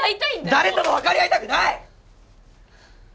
誰とも分かり合いたくない！